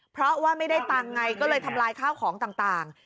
เพราะว่าไม่ได้ตังค์ไงก็เลยทำลายข้าวของต่าง